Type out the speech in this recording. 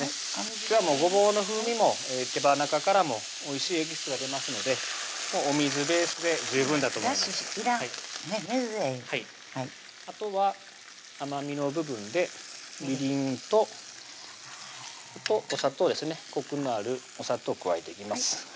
今日はごぼうの風味も手羽中からもおいしいエキスが出ますのでお水ベースで十分だと思いますだしいらん水でいいあとは甘みの部分でみりんとあとお砂糖ですねコクのあるお砂糖加えていきます